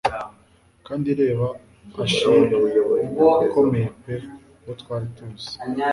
Kandi reba Achille ukomeye pe uwo twari tuzi.